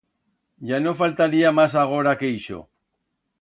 Ya no faltaría mas agora que ixo.